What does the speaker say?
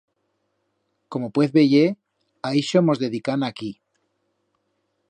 Como puez veyer, a ixo mos dedicam aquí.